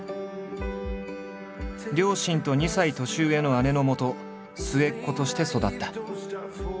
両親と２歳年上の姉のもと末っ子として育った。